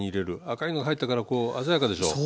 赤いのが入ったから鮮やかでしょう？